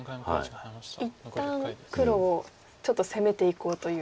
一旦黒をちょっと攻めていこうという。